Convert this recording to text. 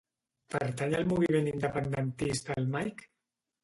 Pertany al moviment independentista el Mike?